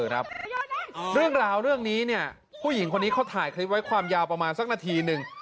เรื่องราวเรื่องนี้ผู้หญิงเค้าถ่ายคลิปไว้ความยาวก็มาสักนาทีนึง